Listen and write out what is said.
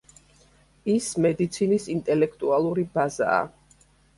ის მედიცინის ინტელექტუალური ბაზაა.